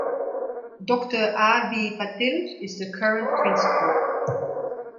Doctor R. B. Patil is the current Principal.